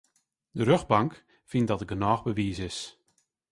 De rjochtbank fynt dat der genôch bewiis is.